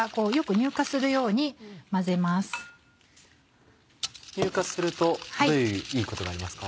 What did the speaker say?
乳化するとどういういいことがありますか？